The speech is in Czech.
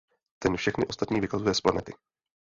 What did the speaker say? Ten všechny ostatní vykazuje z planety.